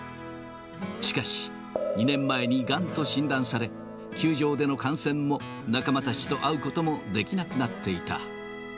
しかし、２年前にがんと診断され、球場での観戦も、仲間たちと会うこともできなくなっていた。